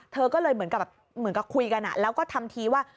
เธอก็เลยเหมือนกับคุยกันแล้วก็ทำทีว่า